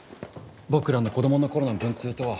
僕らの子供の頃の文通とは。